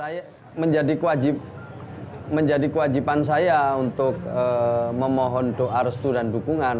saya menjadi kewajiban saya untuk memohon doa restu dan dukungan